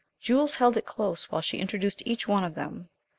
Jules held it close while she introduced each one of them.